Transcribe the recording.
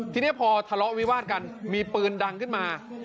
ทีนี้พอทะเลาะวิวาดกันมีปืนดังขึ้นมา